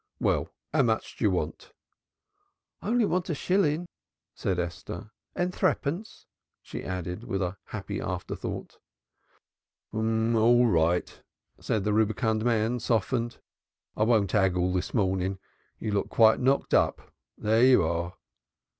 Well, how much d'yer want?" "I only want a shilling," said Esther, "and threepence," she added as a happy thought. "All right," said the rubicund man softened. "I won't 'aggle this mornen. You look quite knocked up. Here you are!"